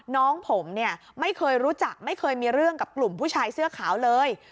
น้องผมเนี่ยไม่เคยรู้จักไม่เคยมีเรื่องกับกลุ่มผู้ชายเสื้อขาวเลย